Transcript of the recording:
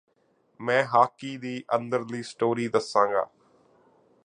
ਮੈਂ ਹਾਕੀ ਦੀ ਅੰਦਰਲੀ ਸਟੋਰੀ ਦੱਸਾਂਗਾ